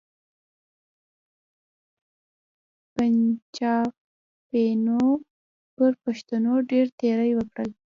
پنچاپیانو پر پښتنو ډېر تېري وکړل.